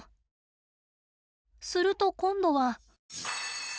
すると今度は。